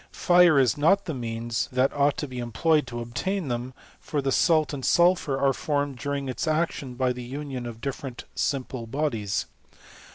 Fire is not the means that ought to be employed to obtain them ; for the salt and sulphur are formed during its action by the union of different simple bodies.